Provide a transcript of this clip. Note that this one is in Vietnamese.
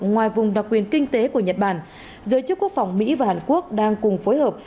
ngoài vùng đặc quyền kinh tế của nhật bản giới chức quốc phòng mỹ và hàn quốc đang cùng phối hợp